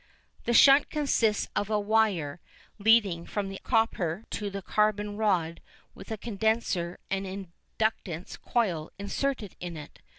The shunt consists of a wire leading from the copper to the carbon rod with a condenser and an inductance coil inserted in it.